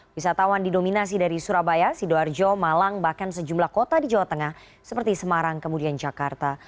wisatawan didominasi dari surabaya sidoarjo malang bahkan sejumlah kota di jawa tengah seperti semarang kemudian jakarta